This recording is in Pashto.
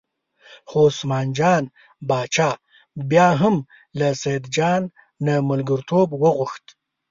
خو عثمان جان باچا بیا هم له سیدجان نه ملګرتوب وغوښت.